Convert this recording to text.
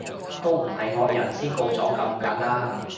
都唔係惡人先告狀咁簡單